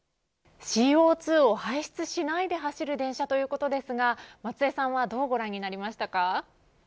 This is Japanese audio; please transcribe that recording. ＣＯ２を排出しないで走る電車ということですが松江さんはどうご覧になりましたか。